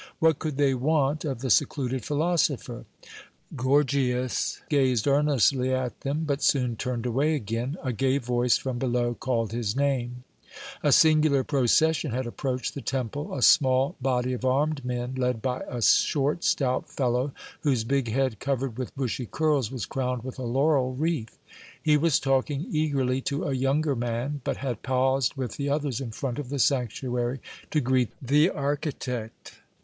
What could they want of the secluded philosopher? Gorgias gazed earnestly at them, but soon turned away again; a gay voice from below called his name. A singular procession had approached the temple a small body of armed men, led by a short, stout fellow, whose big head, covered with bushy curls, was crowned with a laurel wreath. He was talking eagerly to a younger man, but had paused with the others in front of the sanctuary to greet the architect.